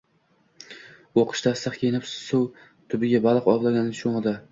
U qishda issiq kiyinib, suv tubiga baliq ovlagani sho'ng'idi.